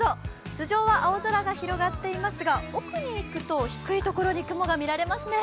頭上は青空が広がっていますが、奥に行くと低いところに雲が見られますね。